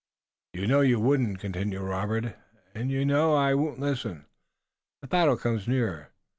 "You know you wouldn't," continued Robert, "and you know I won't. Listen, the battle comes nearer.